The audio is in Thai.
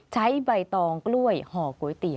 ใบตองกล้วยห่อก๋วยเตี๋ย